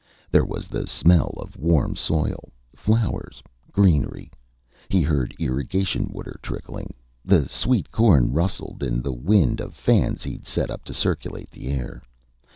There was the smell of warm soil, flowers, greenery. He heard irrigation water trickling. The sweetcorn rustled in the wind of fans he'd set up to circulate the air.